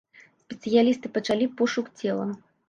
Спецыялісты пачалі пошук цела.